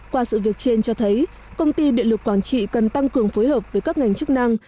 qua sự việc trên cho thấy công ty điện lực quảng trị cần tăng cường phối hợp với các ngành chức năng